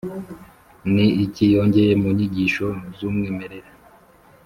ni iki yongeye mu nyigisho z’umwimerere